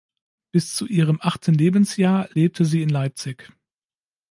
Bis zu ihrem achten Lebensjahr lebte sie in Leipzig.